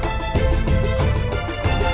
aku sangat jauh dari istana